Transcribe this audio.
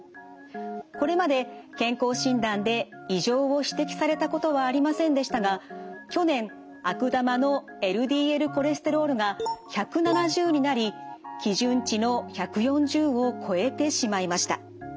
これまで健康診断で異常を指摘されたことはありませんでしたが去年悪玉のＬＤＬコレステロールが１７０になり基準値の１４０を超えてしまいました。